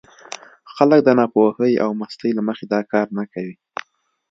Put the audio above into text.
خلک د ناپوهۍ او مستۍ له مخې دا کار نه کوي.